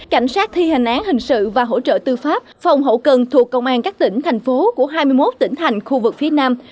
cảnh sát thi hành án hình sự và hỗ trợ tư pháp phòng hậu cần thuộc công an các tỉnh thành phố của hai mươi một tỉnh thành khu vực phía nam